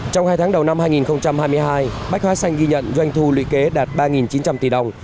trong hai tháng đầu năm hai nghìn hai mươi hai bách hóa xanh ghi nhận doanh thu lý kế đạt ba chín trăm linh tỷ đồng